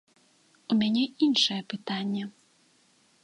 У мяне іншае пытанне.